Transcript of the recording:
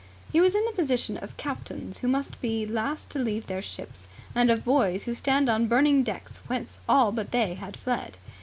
He was in the position of captains who must be last to leave their ships, and of boys who stand on burning decks whence all but they had fled.